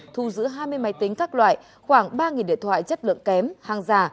thu giữ hai mươi máy tính các loại khoảng ba điện thoại chất lượng kém hàng giả